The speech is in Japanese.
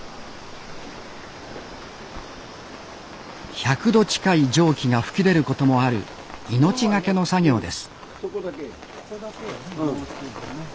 １００℃近い蒸気が噴き出ることもある命懸けの作業です